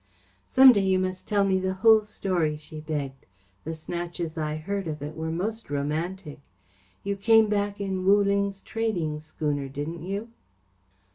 "Some day you must tell me the whole story," she begged. "The snatches I heard of it were most romantic. You came back in Wu Ling's trading schooner, didn't you?"